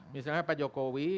misalnya pak jokowi